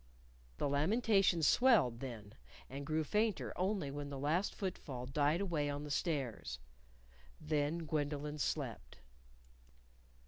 The lamentations swelled then and grew fainter only when the last foot fall died away on the stairs. Then Gwendolyn slept.